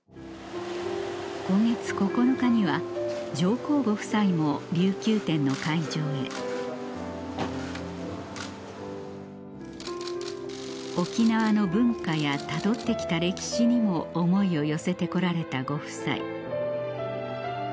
今月９日には上皇ご夫妻も琉球展の会場へ沖縄の文化やたどって来た歴史にも思いを寄せて来られたご夫妻